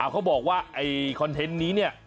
เขาบอกว่าไอ้คอนเทนต์นี้เนี่ย